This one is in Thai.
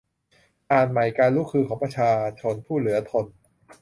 อ่านใหม่ การลุกฮือของประชาชนผู้เหลือทน